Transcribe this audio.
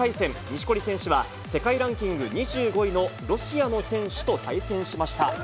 錦織選手は、世界ランキング２５位のロシアの選手と対戦しました。